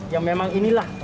yang memang inilah